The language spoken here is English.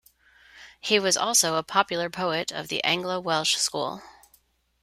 He was also a popular poet of the Anglo-Welsh school.